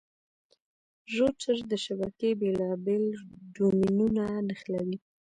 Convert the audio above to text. روټر د شبکې بېلابېل ډومېنونه نښلوي.